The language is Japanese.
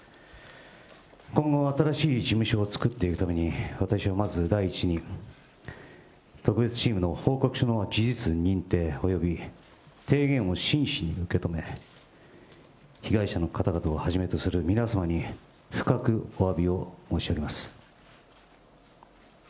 今後、新しい事務所を作っていくために、私はまず第一に、特別チームの報告書の事実認定および提言を真摯に受け止め、被害者の方々をはじめとする皆様に深くおわびを申し上げます。